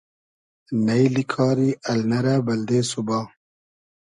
نݷلی کاری النۂ رۂ بئلدې سوبا